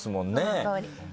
そのとおりです。